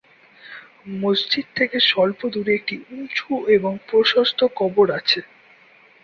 মসজিদ থেকে অল্প দূরে একটি উঁচু এবং প্রশস্ত কবর আছে।